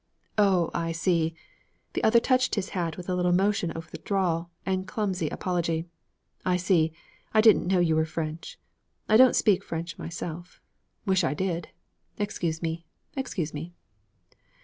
'Oh, I see.' The other touched his hat with a little motion of withdrawal and clumsy apology. 'I see. I didn't know you were French. I don't speak French myself. Wish I did! Excuse me. Excuse me.'